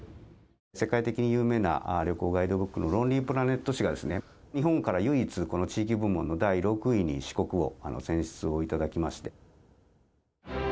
世界的に有名な旅行ガイドブックのロンリープラネット誌が、日本から唯一、この地域部門の第６位に四国を選出をいただきまし